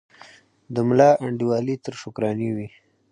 د ملا انډیوالي تر شکرانې وي